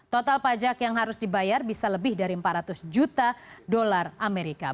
total pajak yang harus dibayar bisa lebih dari empat ratus juta dolar amerika